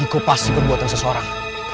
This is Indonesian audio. ikut pasti perbuatan seseorang